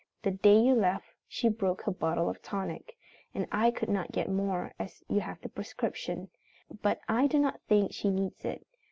The day you left she broke her bottle of tonic, and I could not get more, as you have the prescription. But I do not think she needs it.